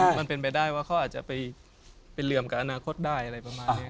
มันเป็นไปได้ว่าเขาอาจจะไปเหลื่อมกับอนาคตได้อะไรประมาณนี้